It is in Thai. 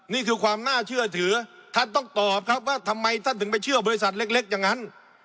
นี่คือความน่าเชื่อถือท่านต้องตอบครับว่าทำไมท่านถึงไปเชื่อบริษัทเล็กอย่างนั้น